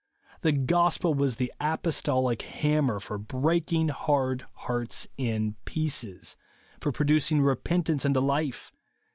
The gospel was the apostolic haaimer for breaking hard hearts in pieces ; for produc ing repentance unto life.